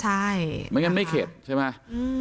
ใช่ไม่งั้นไม่เข็ดใช่ไหม